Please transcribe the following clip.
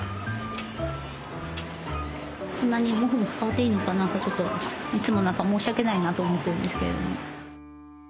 こんなにモフモフ触っていいのかな？ってちょっといつも何か申し訳ないなと思ってるんですけれど。